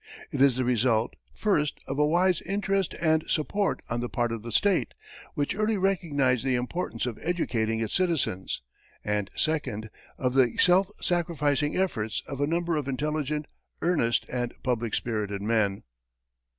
It is the result, first, of a wise interest and support on the part of the state, which early recognized the importance of educating its citizens, and, second, of the self sacrificing efforts of a number of intelligent, earnest, and public spirited men.